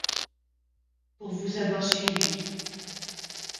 Pour vous avoir suivi.